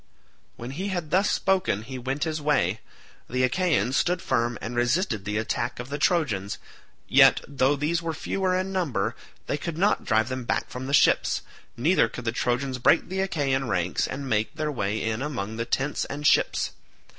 When he had thus spoken he went his way. The Achaeans stood firm and resisted the attack of the Trojans, yet though these were fewer in number, they could not drive them back from the ships, neither could the Trojans break the Achaean ranks and make their way in among the tents and ships.